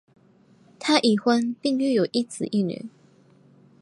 他已婚并育有一子一女。